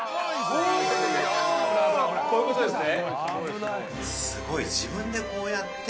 こういうことですね！